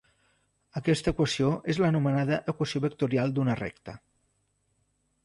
Aquesta equació és l'anomenada equació vectorial d'una recta.